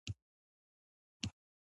په کور کې څوک رماتیزم لري.